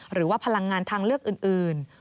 หรือว่าพลังงานทางเลือกอื่น